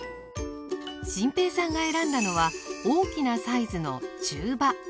心平さんが選んだのは大きなサイズの中羽。